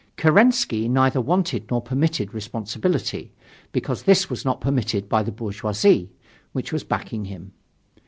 Kerensky neither wanted nor permitted responsibility, because this was not permitted by the bourgeoisie, which was backing him.